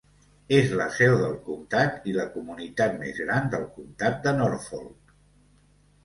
És la seu del comtat i la comunitat més gran del comtat de Norfolk.